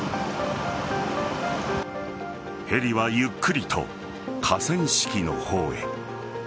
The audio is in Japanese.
ヘリはゆっくりと河川敷の方へ。